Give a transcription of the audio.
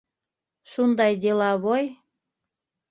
- Шундай деловой.